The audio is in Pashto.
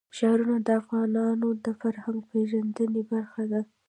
ښارونه د افغانانو د فرهنګي پیژندنې برخه ده.